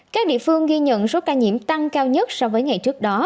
các địa phương ghi nhận số ca nhiễm tăng cao nhất so với ngày trước đó